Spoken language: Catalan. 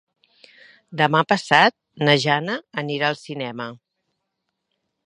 Demà passat na Jana anirà al cinema.